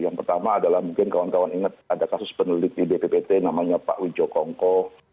yang pertama adalah mungkin kawan kawan ingat ada kasus peneliti bppt namanya pak wijo kongko